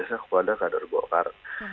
bisa kepada kader golkar